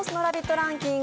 ランキング